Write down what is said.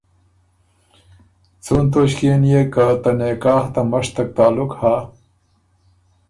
څُون توݭکيې نيې که ته رواج ته مشتک تعلق هۀ،